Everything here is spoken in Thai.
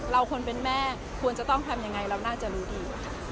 คนเป็นแม่ควรจะต้องทำยังไงเราน่าจะรู้ดี